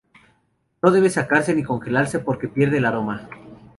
No debe secarse ni congelarse porque pierde el aroma.